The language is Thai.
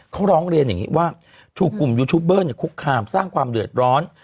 เขาร้องเรียนอย่างนี้ว่าถูกกลุ่มยูทูบเบอร์คุกคามสร้างความเดือดร้อน